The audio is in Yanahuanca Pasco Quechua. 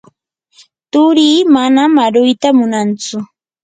turii manan aruyta munantsu.